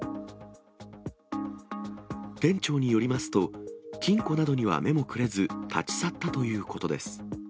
店長によりますと、金庫などには目もくれず、立ち去ったということです。